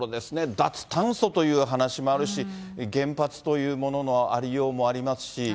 脱炭素という話もあるし、原発というもののありようもありますし。